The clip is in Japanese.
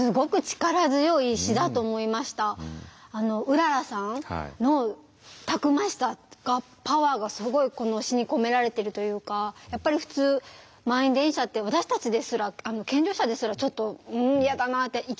うららさんのたくましさがパワーがすごいこの詩に込められているというかやっぱり普通満員電車って私たちですら健常者ですらちょっと「ん嫌だな」って